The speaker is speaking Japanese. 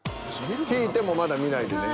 引いてもまだ見ないでね。